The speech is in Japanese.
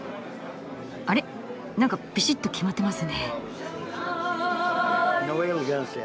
あれなんかビシッと決まってますね。